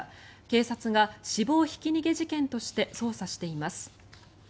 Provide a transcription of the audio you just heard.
警察が死亡ひき逃げ事件として捜査しています。